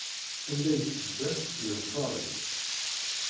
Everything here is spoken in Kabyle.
Anda i tedda yeḍfeṛ-itt.